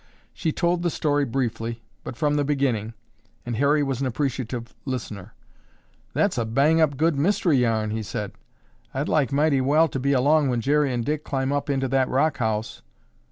She told the story briefly, but from the beginning, and Harry was an appreciative listener. "That's a bang up good mystery yarn!" he said. "I'd like mighty well to be along when Jerry and Dick climb up into that rock house.